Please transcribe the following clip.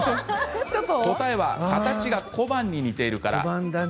答えは形が小判に似ているから。